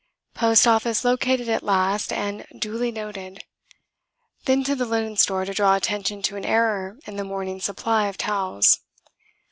Post office located at last and duly noted. Then to the linen store to draw attention to an error in the morning's supply of towels.